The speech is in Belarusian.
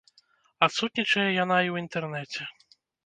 Адсутнічае яна і ў інтэрнэце.